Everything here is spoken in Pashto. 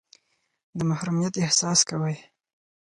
د محرومیت احساس کوئ.